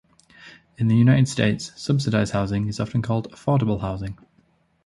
In the United States, subsidized housing is often called affordable housing.